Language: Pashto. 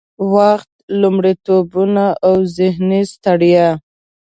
وخت، لومړيتوبونه او ذهني ستړيا